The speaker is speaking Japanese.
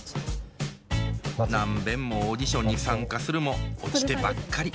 何べんもオーディションに参加するも落ちてばっかり。